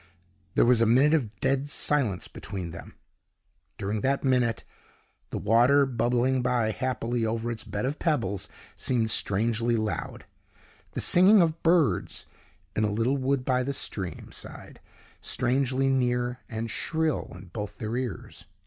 There was a minute of dead silence between them. During that minute, the water bubbling by happily over its bed of pebbles seemed strangely loud, the singing of birds in a little wood by the stream side strangely near and shrill, in both their ears.